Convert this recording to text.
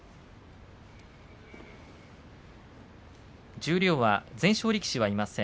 十両は全勝力士、いません。